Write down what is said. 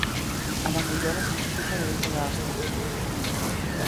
A bandeirola sempre fica á dereita da hasta.